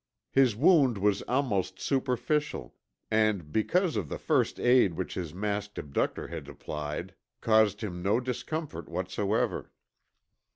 His wound was almost superficial and, because of the first aid which his masked abductor had applied, caused him no discomfort whatsoever.